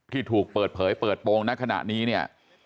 ที่ถูกเปิดเผยเปิดโปรงณขณะนี้เนี่ย